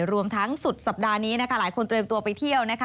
รวมทั้งสุดสัปดาห์นี้นะคะหลายคนเตรียมตัวไปเที่ยวนะคะ